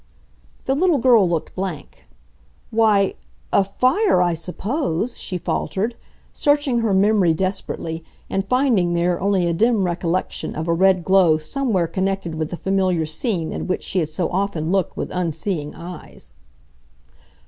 The little girl looked blank. "Why, a fire, I suppose," she faltered, searching her memory desperately and finding there only a dim recollection of a red glow somewhere connected with the familiar scene at which she had so often looked with unseeing eyes.